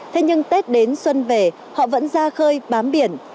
thế nhưng tết đến xuân về họ vẫn ra khơi bám biển